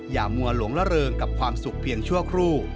มัวหลงละเริงกับความสุขเพียงชั่วครู่